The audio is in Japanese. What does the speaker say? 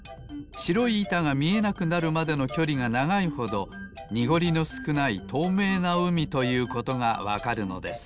しろいいたがみえなくなるまでのきょりがながいほどにごりのすくないとうめいなうみということがわかるのです。